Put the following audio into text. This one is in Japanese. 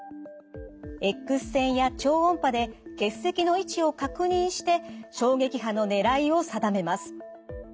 Ｘ線や超音波で結石の位置を確認して衝撃波の狙いを定めます。